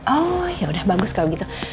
oh ya udah bagus kalau gitu